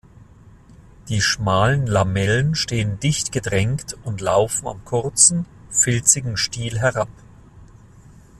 Die schmalen Lamellen stehen dicht gedrängt und laufen am kurzen, filzigen Stiel herab.